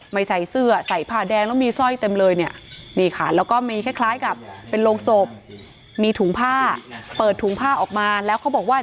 ใส่เสื้อใส่ผ้าแดงแล้วมีสร้อยเต็มเลยเนี่ยนี่ค่ะแล้วก็มีคล้ายกับเป็นโรงศพมีถุงผ้าเปิดถุงผ้าออกมาแล้วเขาบอกว่า